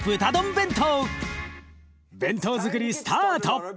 弁当づくりスタート！